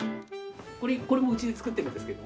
これもうちで作ってるんですけども。